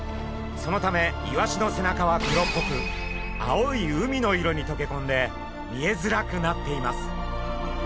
そのためイワシの背中は黒っぽく青い海の色にとけこんで見えづらくなっています。